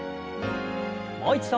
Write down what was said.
もう一度。